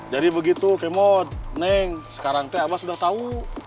jadi begitu kemot neng sekarang teh abah sudah tahu